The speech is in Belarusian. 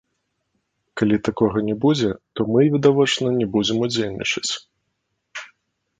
Калі такога не будзе, то мы відавочна не будзем удзельнічаць.